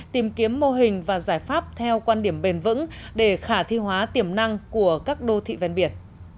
tìm kiếm mô hình và giải pháp theo quan điểm bền vững để khả thi hóa tiềm năng của các đô thị ven biển